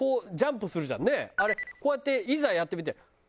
あれこうやっていざやってみて。